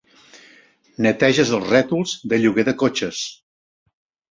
Neteges els rètols de lloguer de cotxes.